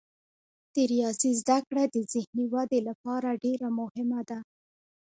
د ریاضي زده کړه د ذهني ودې لپاره ډیره مهمه ده.